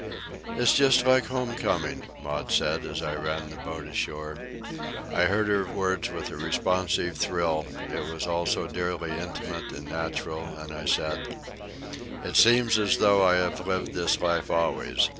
"It's just like home coming," Maud said, as I ran the boat ashore. I heard her words with a responsive thrill, it was all so dearly intimate and natural, and I said: "It seems as though I have lived this life always.